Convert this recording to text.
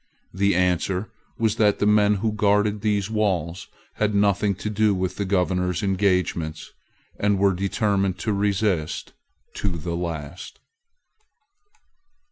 The answer was that the men who guarded these walls had nothing to do with the Governor's engagements, and were determined to resist to the last.